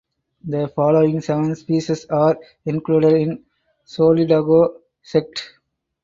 The following seven species are included in "Solidago" sect.